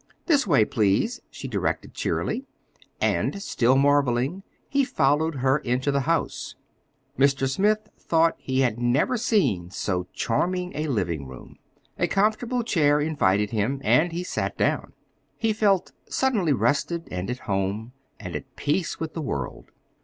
"This way, please," she directed cheerily. And, still marveling, he followed her into the house. Mr. Smith thought he had never seen so charming a living room. A comfortable chair invited him, and he sat down. He felt suddenly rested and at home, and at peace with the world.